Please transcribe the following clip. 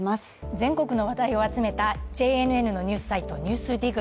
全国の話題を集めたＪＮＮのニュースサイト・ＮＥＷＳＤＩＧ